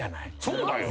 そうだよ。